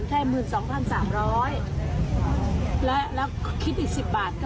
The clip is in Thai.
ให้เลยให้เลยรางวัลที่๑บาท